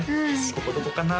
ここどこかな？